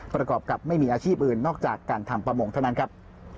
ประกอบกับไม่มีอาชีพอื่นนอกจากการทำประมงเท่านั้นครับ